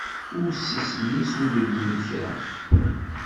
Ussisen-is ur d-wwin kra.